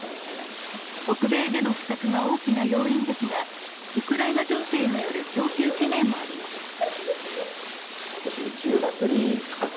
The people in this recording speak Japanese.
北米での不作が大きな要因ですが、ウクライナ情勢による供給懸念もあります。